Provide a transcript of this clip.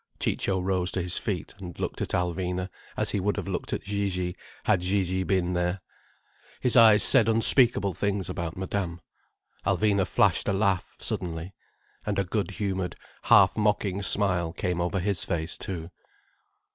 Ciccio rose to his feet, and looked at Alvina: as he would have looked at Gigi, had Gigi been there. His eyes said unspeakable things about Madame. Alvina flashed a laugh, suddenly. And a good humoured, half mocking smile came over his face too.